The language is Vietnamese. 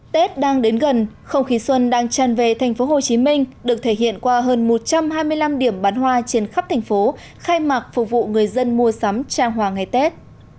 tết đang đến gần không khí xuân đang tràn về tp hcm được thể hiện qua hơn một trăm hai mươi năm điểm bán hoa trên khắp thành phố khai mạc phục vụ người dân mua sắm trang hoa ngày tết